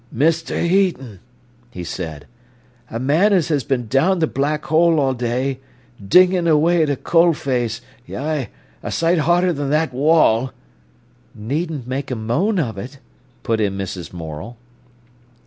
"Mr. Heaton," he said, "a man as has been down the black hole all day, dingin' away at a coal face, yi, a sight harder than that wall—" "Needn't make a moan of it," put in Mrs. Morel.